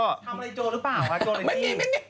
ทำอะไรโจรหรือเปล่าโจรไอ้จี้